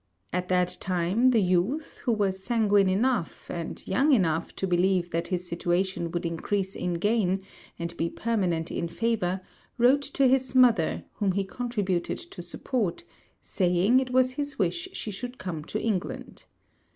At that time, the youth, who was sanguine enough, and young enough to believe that his situation would increase in gain, and be permanent in favour, wrote to his mother, whom he contributed to support, saying it was his wish she should come to England.